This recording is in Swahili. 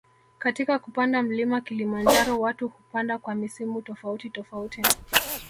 Katika kupanda mlima kilimanjaro watu hupanda kwa misimu tofauti tofauti